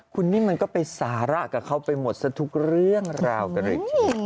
คุณนี่มันก็ไปสาระกับเขาไปหมดซะทุกเรื่องราวกันอีกที